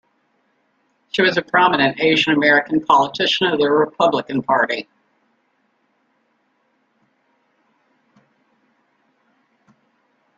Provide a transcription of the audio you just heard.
She was a prominent Asian-American politician of the Republican Party.